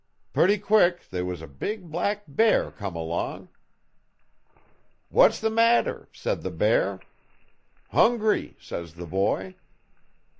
Putty quick they was a big black bear come along. '"What's the matter?" said the bear. '"Hungry," says the boy.